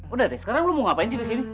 udah deh sekarang lo mau ngapain sih kesini